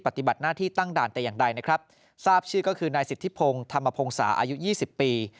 ปฏิบัติหน้าที่ตั้งด่านแต่อย่างใดนะครับทราบชื่อก็คือนายสิทธิพงศ์ธรรมพงศาอายุยี่สิบปี